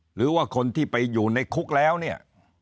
หรือว่าคนที่ไปอยู่ในคุกแล้วเนี่ย